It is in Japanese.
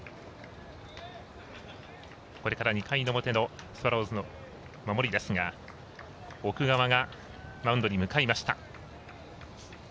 これから２回の表のスワローズの守りですが奥川がマウンドに向かいました。